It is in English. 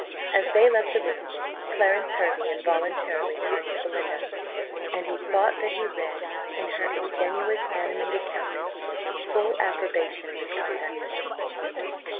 As they left the room, Clarence Hervey involuntarily turned to Belinda, and he thought that he read in her ingenuous, animated countenance, full approbation of his conduct. "Hist!